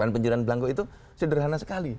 pencurian belangku itu sederhana sekali